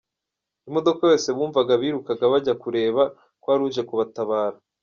Imodoka yose bumvaga birukaga bajya kureba ko ari uje kubatabara.